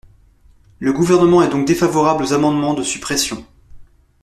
Le Gouvernement est donc défavorable aux amendements de suppression.